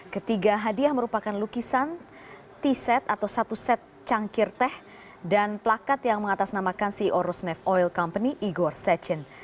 ketiga hadiah merupakan lukisan t set atau satu set cangkir teh dan plakat yang mengatasnamakan ceo rosneft oil company igor setchen